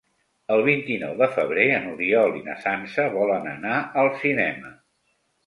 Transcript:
El vint-i-nou de febrer n'Oriol i na Sança volen anar al cinema.